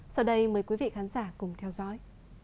sau đây mời quý vị khán giả cùng theo dõi